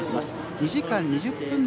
２時間２０分台